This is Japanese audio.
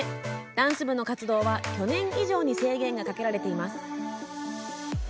ダンス部の活動は、去年以上に制限がかけられています。